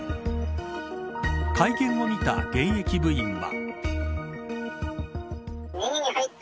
会見を見た現役部員は。